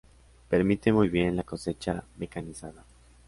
Permite muy bien la cosecha mecanizada.